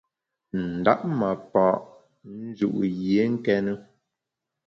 Ndap ma pa’ nju’ yié nkéne.